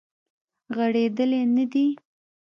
غړیدلې نه دی